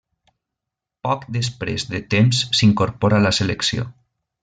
Poc després de temps s'incorpora a la selecció.